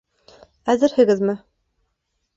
Әҙерһегеҙме?